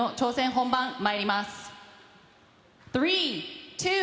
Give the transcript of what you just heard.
本番まいります。